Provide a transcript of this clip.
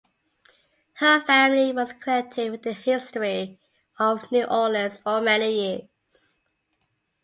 Her family was connected with the history of New Orleans for many years.